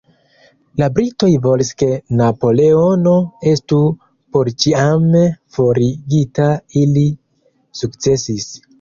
La Britoj volis ke Napoleono estu porĉiame forigita; ili sukcesis.